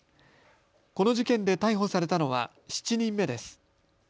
この事件で逮捕されたのは７人目です。